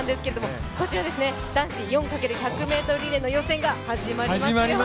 男子４×１００ｍリレーの予選が始まりますよ。